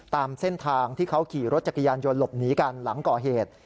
ตามเส้นทางที่เขาขี่รถจักรยานยนต์หลบหนีกันหลังก่อเหตุ